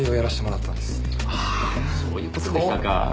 ああそういう事でしたか。